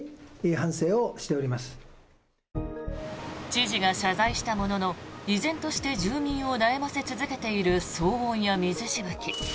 知事が謝罪したものの依然として住民を悩ませ続けている騒音や水しぶき。